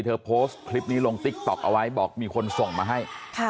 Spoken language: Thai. โพสต์คลิปนี้ลงติ๊กต๊อกเอาไว้บอกมีคนส่งมาให้